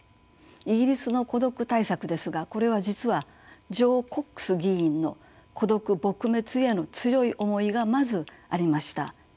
イギリスの孤独対策ですがこれは実はジョー・コックス議員の孤独撲滅への強い思いがまずありました。